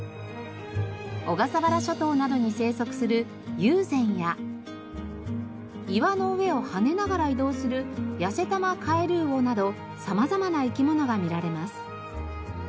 小笠原諸島などに生息するユウゼンや岩の上を跳ねながら移動するヤセタマカエルウオなど様々な生き物が見られます。